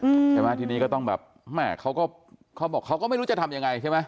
ใช่ไหมทีนี้ก็ต้องแบบแม่เขาก็เขาบอกเขาก็ไม่รู้จะทำยังไงใช่ไหม